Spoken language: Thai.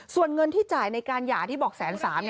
ส่วนเงินที่จ่ายในการหย่าที่บอก๑๓๐๐บาท